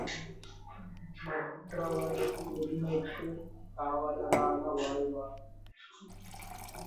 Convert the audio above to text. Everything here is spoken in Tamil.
மற்றவர் உரிமைக்குக் காவலராக வாழ்வர்.